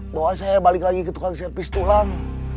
bahwa saya balik lagi ke tukang servis tulang